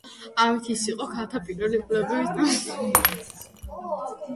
ამით ის იყო ქალთა პირველი უფლებების დამცველი ქალი.